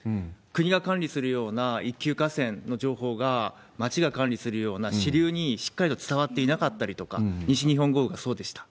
国が管理するような一級河川の情報が、町が管理するような支流にしっかりと伝わっていなかったりとか、西日本豪雨がそうでした。